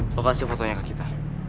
lu kasih fotonya ke kita